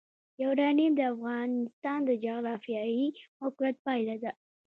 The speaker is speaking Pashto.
یورانیم د افغانستان د جغرافیایي موقیعت پایله ده.